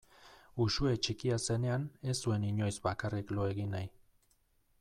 Uxue txikia zenean ez zuen inoiz bakarrik lo egin nahi.